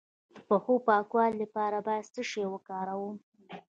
د پښو د پاکوالي لپاره باید څه شی وکاروم؟